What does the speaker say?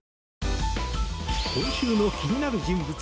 今週の気になる人物